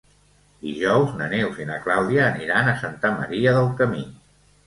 Dijous na Neus i na Clàudia aniran a Santa Maria del Camí.